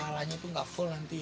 kalahnya tuh gak full nanti